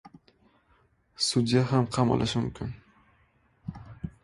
Sudya ham qamalishi mumkin...